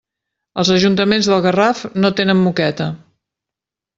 Els ajuntaments del Garraf no tenen moqueta.